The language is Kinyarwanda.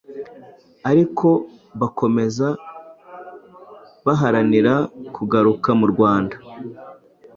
ariko bakomeza baharanira kugaruka mu Rwanda